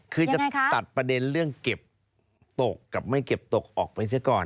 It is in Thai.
คือจะตัดประเด็นเรื่องเก็บตกกับไม่เก็บตกออกไปเสียก่อน